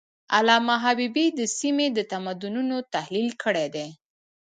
علامه حبيبي د سیمې د تمدنونو تحلیل کړی دی.